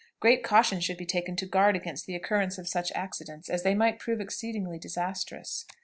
Great caution should be taken to guard against the occurrence of such accidents, as they might prove exceedingly disastrous.